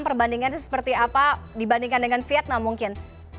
perbandingannya seperti apa dibandingkan dengan vietnam mungkin